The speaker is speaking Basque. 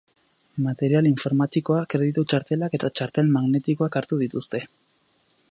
Material informatikoa, kreditu txartelak eta txartel magnetikoak hartu dituzte.